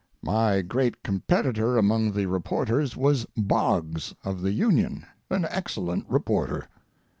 My great competitor among the reporters was Boggs, of the Union, an excellent reporter.